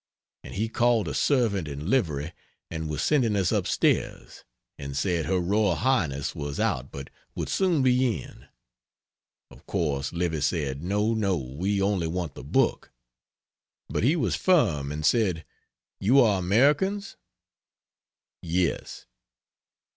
And he called a servant in livery and was sending us up stairs; and said her Royal Highness was out but would soon be in. Of course Livy said "No no we only want the book;" but he was firm, and said, "You are Americans?" "Yes."